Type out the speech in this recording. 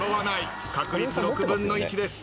確率６分の１です。